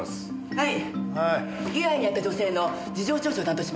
はい。